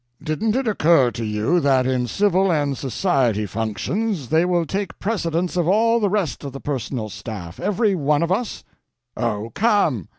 Didn't it occur to you that in civil and society functions they will take precedence of all the rest of the personal staff—every one of us?" "Oh, come!"